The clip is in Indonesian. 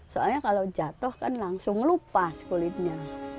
soalnya kalau jatoh kan langsung lupas kulitnya